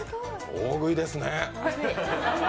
大食いですね。